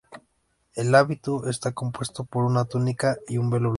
El hábito está compuesto por una túnica y un velo blanco.